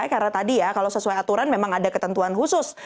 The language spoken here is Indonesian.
karena tadi ya kalau sesuai aturan memang ada ketentuan khusus